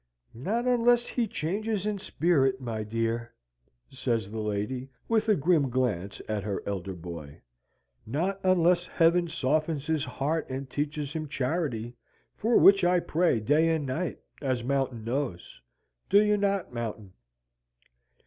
"Not unless he changes in spirit, my dear," says the lady, with a grim glance at her elder boy. "Not unless Heaven softens his heart and teaches him charity, for which I pray day and night; as Mountain knows; do you not, Mountain?"